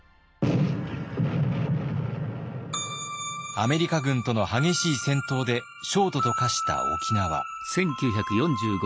アメリカ軍との激しい戦闘で焦土と化した沖縄。